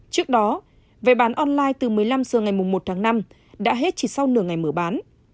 trước đó vé bán online từ một mươi năm h ngày một tháng năm đã hết chỉ sau nửa ngày mở bán